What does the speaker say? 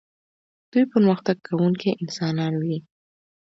دوی پرمختګ کوونکي انسانان وي.